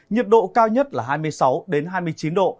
nhiệt độ cao nhất là hai mươi sáu hai mươi chín độ